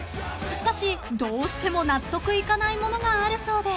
［しかしどうしても納得いかないものがあるそうで］